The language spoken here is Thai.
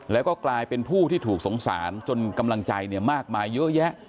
แล้วก็กลายเป็นผู้ที่ถูกสงสารจนกำลังใจมากมายเยอะแยะ